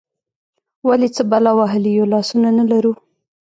ولې، څه بلا وهلي یو، لاسونه نه لرو؟